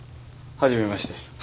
はじめまして。